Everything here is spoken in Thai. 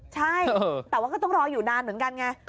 ใช่แต่ว่าก็ต้องรออยู่นานเหมือนกันไง